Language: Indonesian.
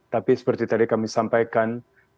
tapi seperti tadi kami sampaikan